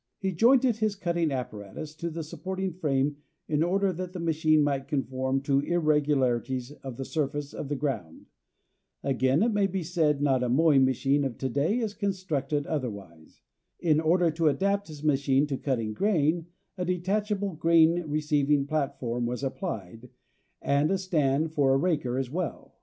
He jointed his cutting apparatus to the supporting frame in order that the machine might conform to irregularities of the surface of the ground. Again it may be said not a mowing machine of to day is constructed otherwise. In order to adapt his machine to cutting grain, a detachable grain receiving platform was applied, and a stand for a raker as well.